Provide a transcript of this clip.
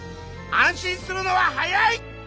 安心するのは早い！